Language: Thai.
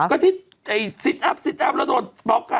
ก็ที่ซิทอัพแล้วโดนบล็อก